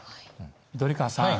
緑川さん